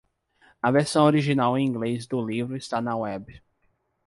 A versão original em inglês do livro está na web.